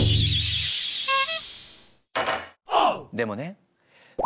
でもね